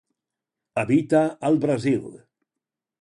Habita al Brasil.